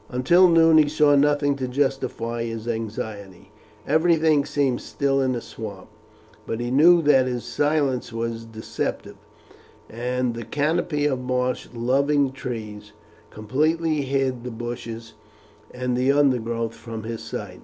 Until noon he saw nothing to justify his anxiety; everything seemed still in the swamp. But he knew that this silence was deceptive, and the canopy of marsh loving trees completely hid the bushes and undergrowth from his sight.